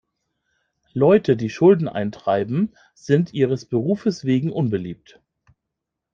Leute, die Schulden eintreiben, sind ihres Berufes wegen unbeliebt.